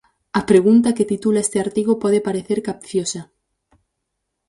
A pregunta que titula este artigo pode parecer capciosa.